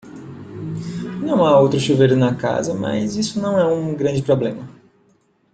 Não há outro chuveiro na casa, mas isso não é um grande problema.